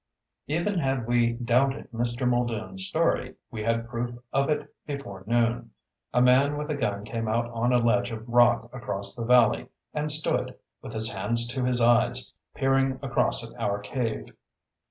Even had we doubted Mr. Muldoon's story, we had proof of it before noon. A man with a gun came out on a ledge of rock across the valley and stood, with his hands to his eyes, peering across at our cave.